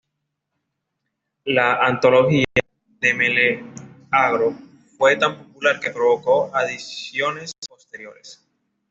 La "Antología" de Meleagro fue tan popular que provocó adiciones posteriores.